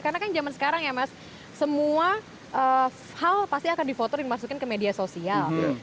karena kan zaman sekarang ya mas semua hal pasti akan difotokin masukin ke media sosial